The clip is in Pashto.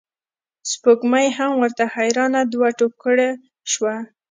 سپوږمۍ هم ورته حیرانه دوه توکړې شوه.